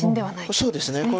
そうですねこれ